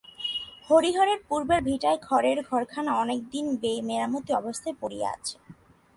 হরিহরের পূর্বের ভিটায় খড়ের ঘরখানা অনেকদিন বে-মেরামতি অবস্থায় পড়িয়া আছে।